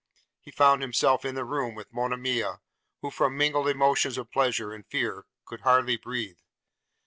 He found himself in the room with Monimia, who from mingled emotions of pleasure and fear could hardly breathe.